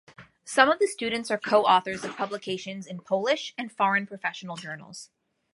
Some of the students are co-authors of publications in Polish and foreign professional journals.